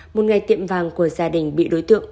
một ngày tiệm vàng của gia đình bị đối tượng